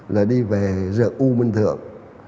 rồi đi về rừng u minh thượng